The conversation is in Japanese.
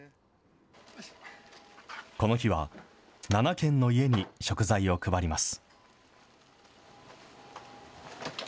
この日は、７軒の家に食材を配ります。